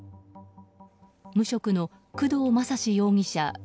無職の工藤正嗣容疑者